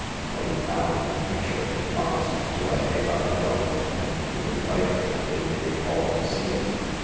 When he found the picture he promised to let Hagar know, and to invite her to Danetree Hall to see it.